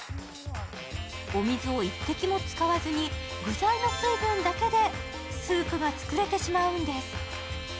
お水を一滴も使わずに具材の水分だけで゜スープが作れてしまうんです。